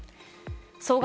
総額